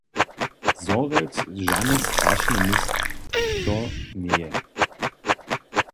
Zhorjelc žane strašne město njeje.